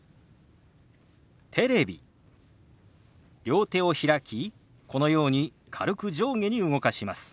両手を開きこのように軽く上下に動かします。